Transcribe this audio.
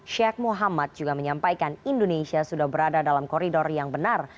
sheikh muhammad juga menyampaikan indonesia sudah berada dalam koridor yang benar